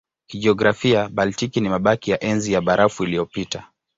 Kijiografia Baltiki ni mabaki ya Enzi ya Barafu iliyopita.